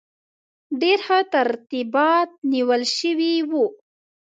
ډېر ښه ترتیبات نیول شوي وو.